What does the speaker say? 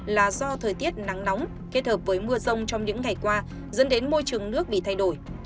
là do thời tiết nắng nóng kết hợp với mưa rông trong những ngày qua dẫn đến môi trường nước bị thay đổi